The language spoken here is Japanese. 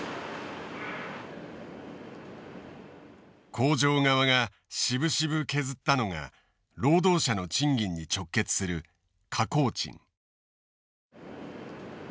工場側がしぶしぶ削ったのが労働者の賃金に直結する加工賃。